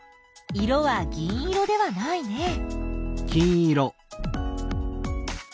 色は銀色ではないね。